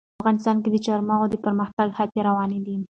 افغانستان کې د چار مغز د پرمختګ هڅې روانې دي.